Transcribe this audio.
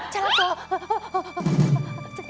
ฉันรักเธอ